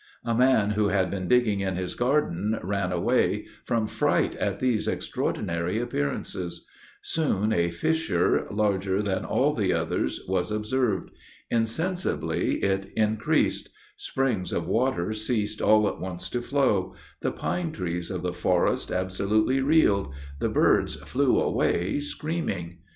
A man who had been digging in his garden ran away, from fright at these extraordinary appearances; soon a fissure, larger than all the others, was observed; insensibly, it increased: springs of water ceased all at once to flow, the pine trees of the forest absolutely reeled; the birds flew away screaming.